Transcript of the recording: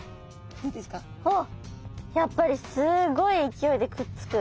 やっぱりすごい勢いでくっつく。